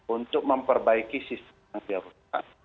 untuk memperbaiki sistem yang dia rusak